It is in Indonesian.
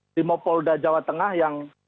dimo polda jawa tengah yang